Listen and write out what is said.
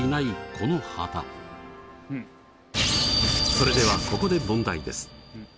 それではここで問題です。